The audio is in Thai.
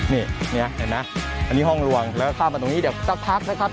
นี่เห็นไหมอันนี้ห้องลวงแล้วข้ามมาตรงนี้เดี๋ยวสักพักนะครับ